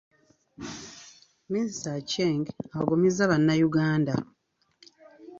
Minisita Acheng agumizza Bannayuganda.